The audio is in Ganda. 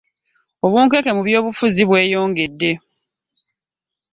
Obunkenke mu byobufuzi bweyongedde.